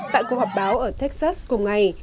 tại cuộc họp báo ở texas cùng ngày